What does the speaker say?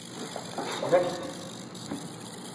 Kksen-ak-ten.